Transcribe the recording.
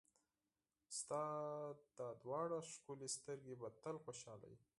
ستا دا دواړه ښکلې سترګې به تل خوشحاله وي.